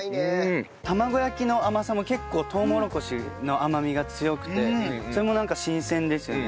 卵焼きの甘さも結構とうもろこしの甘みが強くてそれもなんか新鮮ですよね。